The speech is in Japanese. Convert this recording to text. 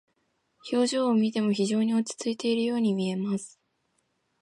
表情を見ても非常に落ち着いているように見えます。